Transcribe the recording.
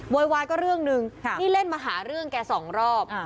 วายก็เรื่องหนึ่งนี่เล่นมาหาเรื่องแกสองรอบ